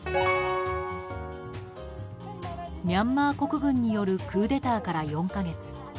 ミャンマー国軍によるクーデターから４か月。